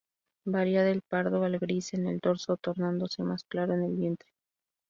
Varía del pardo al gris en el dorso, tornándose más claro en el vientre.